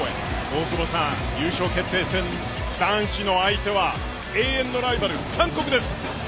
大久保さん、優勝決定戦男子の相手は永遠のライバル・韓国です。